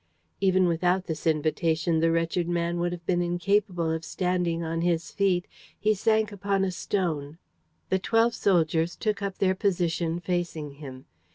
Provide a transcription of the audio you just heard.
Even without this invitation, the wretched man would have been incapable of standing on his feet. He sank upon a stone. The twelve soldiers took up their position facing him.